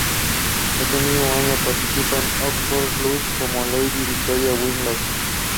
He got the role for the drama through three stages of audition.